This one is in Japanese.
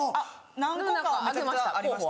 何個かありました。